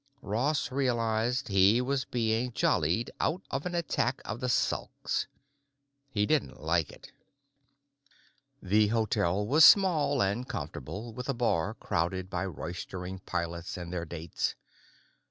Ross realized that he was being jollied out of an attack of the sulks. He didn't like it. The hotel was small and comfortable, with a bar crowded by roistering pilots and their dates.